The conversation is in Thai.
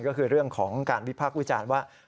ก็คือเรื่องของการวิพากษ์วิจารณ์ว่า